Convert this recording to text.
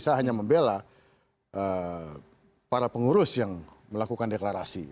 saya hanya membela para pengurus yang melakukan deklarasi